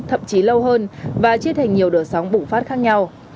thậm chí lâu hơn và chia thành nhiều đợt sóng bùng phát khác nhau